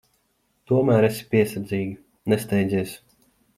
Tomēr esi piesardzīga. Nesteidzies.